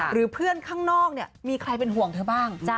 หรือเพื่อนข้างนอกเนี่ยมีใครเป็นห่วงเธอบ้าง